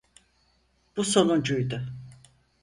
Bu sonuncuydu.